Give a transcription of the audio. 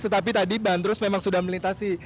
tetapi tadi bandrus memang sudah melintasi